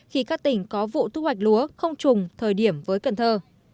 khi các tỉnh có vụ thu hoạch lúa không trùng thời điểm với cần thơ